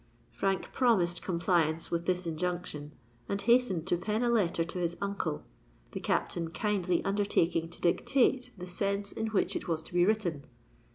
Frank promised compliance with this injunction, and hastened to pen a letter to his uncle, the Captain kindly undertaking to dictate the sense in which it was to be written.